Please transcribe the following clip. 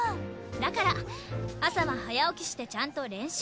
だから朝は早起きしてちゃんと練習。